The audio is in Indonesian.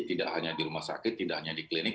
tidak hanya di rumah sakit tidak hanya di klinik